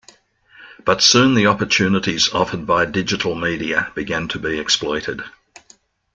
But soon the opportunities offered by digital media began to be exploited.